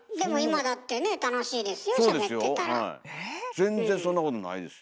全然そんなことないですよ。